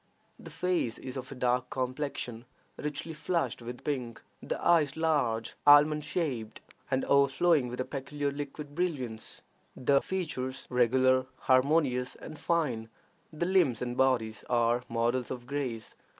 The face is of a dark complexion, richly flushed with pink; the eyes large, almond shaped, and overflowing with a peculiar liquid brilliance; the features regular, harmonious, and fine; the limbs and bodies are models of grace.